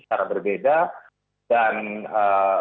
menyebabkan menurut saya media juga akhirnya melihat ini seperti ini